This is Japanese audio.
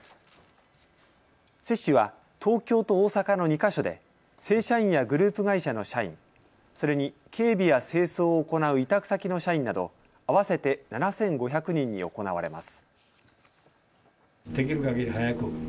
接種は東京と大阪の２か所で正社員やグループ会社の社員、それに警備や清掃を行う委託先の社員など合わせて７５００人に行われます。